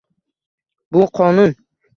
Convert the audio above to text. Bu qonun